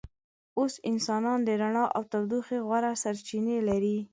اوس انسانان د رڼا او تودوخې غوره سرچینه لري.